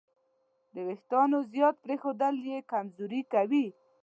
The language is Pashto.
د وېښتیانو زیات پرېښودل یې کمزوري کوي.